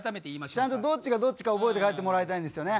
ちゃんとどっちがどっちか覚えて帰ってもらいたいんですよね。